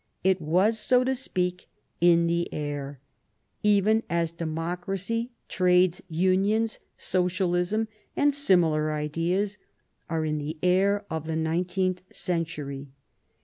It was, so to speak, "in the air," even as democracy, trades' unions, socialism, and similar ideas are in the air of the nineteenth century.